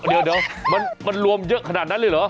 เดี๋ยวมันรวมเยอะขนาดนั้นเลยเหรอ